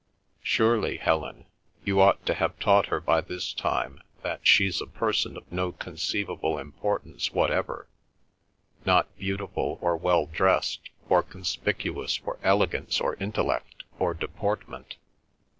Surely, Helen, you ought to have taught her by this time that she's a person of no conceivable importance whatever—not beautiful, or well dressed, or conspicuous for elegance or intellect, or deportment.